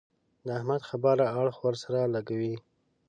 د احمد خبره اړخ ور سره لګوي.